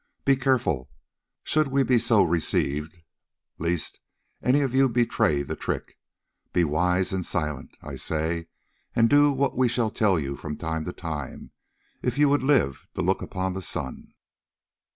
Be careful, should we be so received, lest any of you betray the trick. Be wise and silent, I say, and do what we shall tell you from time to time, if you would live to look upon the sun."